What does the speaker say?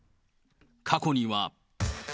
過去には。